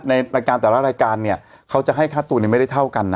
ในรายการแต่ละรายการเนี่ยเขาจะให้ค่าตัวเนี่ยไม่ได้เท่ากันนะ